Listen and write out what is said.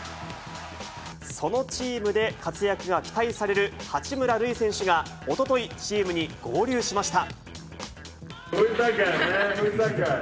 そのチームで活躍が期待される八村塁選手がおととい、チームに合流しました。